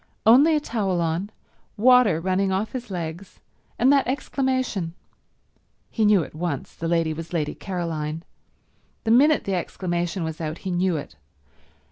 Only a towel on, water running off his legs, and that exclamation. He knew at once the lady was Lady Caroline—the minute the exclamation was out he knew it.